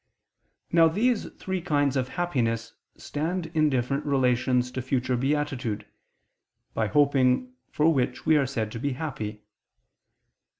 Now these three kinds of happiness stand in different relations to future beatitude, by hoping for which we are said to be happy.